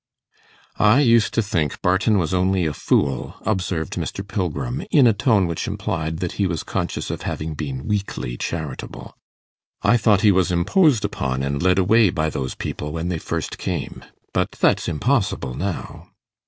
'I used to think Barton was only a fool,' observed Mr. Pilgrim, in a tone which implied that he was conscious of having been weakly charitable. 'I thought he was imposed upon and led away by those people when they first came. But that's impossible now.